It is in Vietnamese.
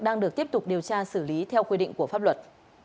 đang được tiếp tục điều tra xử lý theo quy định của pháp luật